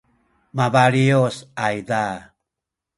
mabaliyus ayza